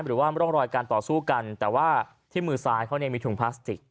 หรือว่าร่องรอยการต่อสู้กันแต่ว่าที่มือซ้ายเขาเนี่ยมีถุงพลาสติก